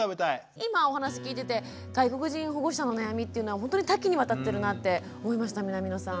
今お話聞いてて外国人保護者の悩みっていうのはほんとに多岐にわたってるなって思いました南野さん。